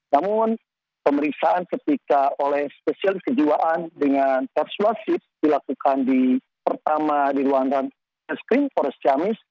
namun pemeriksaan ketika oleh spesial kejiwaan dengan persuasif dilakukan pertama di ruangan krim